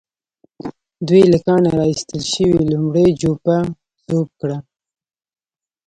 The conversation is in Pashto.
دوی له کانه را ايستل شوې لومړۍ جوپه ذوب کړه.